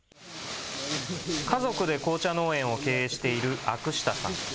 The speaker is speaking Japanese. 家族で紅茶農園を経営しているアクシタさん。